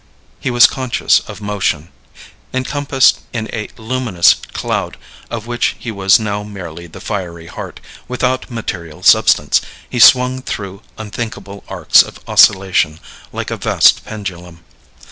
He was conscious of motion. Encompassed in a luminous cloud, of which he was now merely the fiery heart, without material substance, he swung through unthinkable arcs of oscillation, like a vast pendulum.